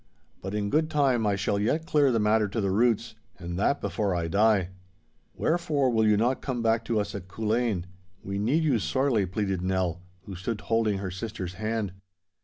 But in good time I shall yet clear the matter to the roots, and that before I die.' 'Wherefore will you not come back to us at Culzean? We need you sorely,' pleaded Nell, who stood holding her sister's hand.